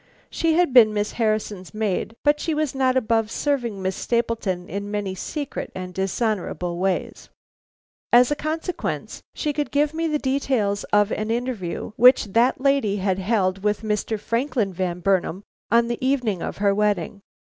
She had been Miss Harrison's maid, but she was not above serving Miss Stapleton in many secret and dishonorable ways. As a consequence, she could give me the details of an interview which that lady had held with Franklin Van Burnam on the evening of her wedding.